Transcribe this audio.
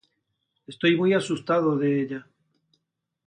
Estoy muy asustado de ella.